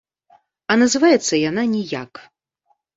А называецца яна ніяк!